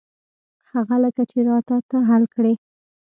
هغه لکه چې را ته ته حل کړې.